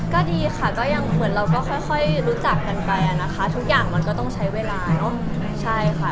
ก็ดีค่ะก็ยังเหมือนเราก็ค่อยรู้จักกันไปอะนะคะทุกอย่างมันก็ต้องใช้เวลาเนอะใช่ค่ะ